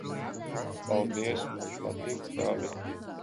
Paldies. Man patīk tavi.